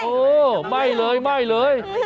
โอ้ไม่เลยไม่เลย